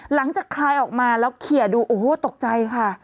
หลังจากคลายออกมาแล้วเขียนดูโอ้โฮตกใจค่ะ